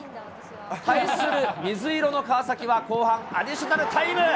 対する水色の川崎は後半アディショナルタイム。